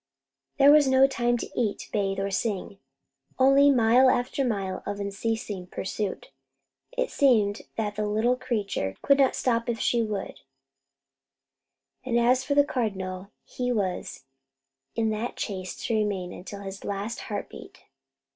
There was no time to eat, bathe, or sing; only mile after mile of unceasing pursuit. It seemed that the little creature could not stop if she would, and as for the Cardinal, he was in that chase to remain until his last heart beat.